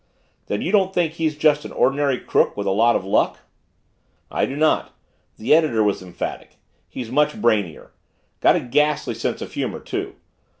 "Then you don't think he's just an ordinary crook with a lot of luck?" "I do not." The editor was emphatic. "He's much brainier. Got a ghastly sense of humor, too.